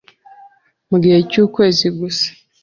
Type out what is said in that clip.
mu gihe cy’ukwezi gusa